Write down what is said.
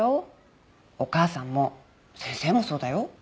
お母さんも先生もそうだよ。